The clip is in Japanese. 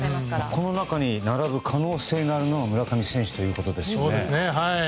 ここに並ぶ可能性があるのが村上選手ということですよね。